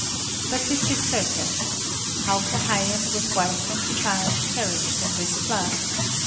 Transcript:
But this is certain: Hauke Haien with wife and child perished in this flood.